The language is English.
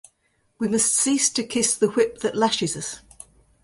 We must cease to kiss the whip that lashes us.